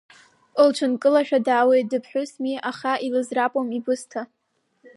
Лҽынкылашәа дааиуеит, дыԥҳәысми, аха илызрапом ибысҭа.